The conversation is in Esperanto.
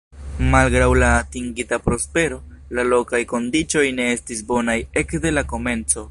Malgraŭ la atingita prospero, la lokaj kondiĉoj ne estis bonaj ekde la komenco.